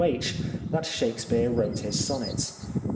H. that Shakespeare wrote his sonnets.